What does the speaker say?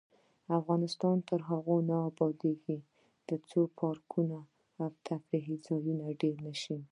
افغانستان تر هغو نه ابادیږي، ترڅو پارکونه او تفریح ځایونه ډیر نشي.